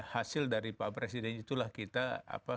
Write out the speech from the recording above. hasil dari pak presiden itulah kita